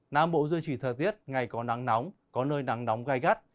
nam bộ duy trì thời tiết ngày có nắng nóng có nơi nắng nóng gai gắt